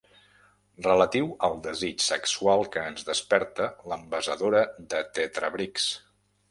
Relatiu al desig sexual que ens desperta l'envasadora de tetrabriks.